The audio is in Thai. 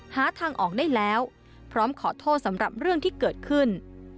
หาทางออกได้แล้วพร้อมขอโทษสำหรับเรื่องที่เกิดขึ้น